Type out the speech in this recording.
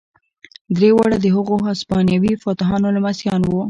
درې واړه د هغو هسپانوي فاتحانو لمسیان وو.